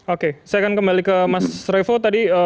oke saya akan kembali ke mas revo tadi